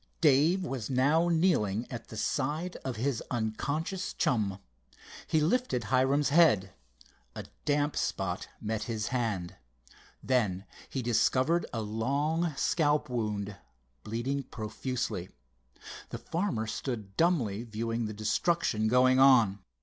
Dave was now kneeling at the side of his unconscious chum. He lifted Hiram's head. A damp spot met his hand. Then he discovered a long scalp wound, bleeding profusely. The farmer stood dumbly viewing the destruction going on.